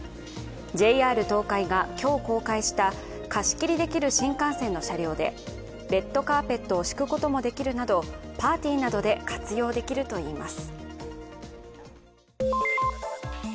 ＪＲ東海が今日公開した貸し切りできる新幹線の車両で、レッドカーペットを敷くこともできるなどパーティーなどで活用できるといいます。